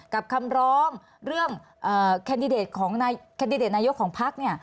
กับคำร้องเรื่องแคนดิเดตนายกของภักรณ์